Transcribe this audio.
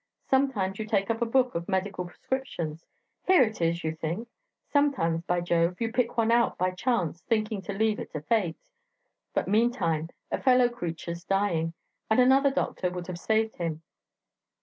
Sometimes you take up a book of medical prescriptions here it is, you think! Sometimes, by Jove, you pick one out by chance, thinking to leave it to fate... But meantime a fellow creature's dying, and another doctor would have saved him.